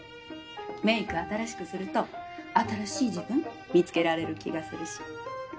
メイク新しくすると新しい自分見つけられる気がするし。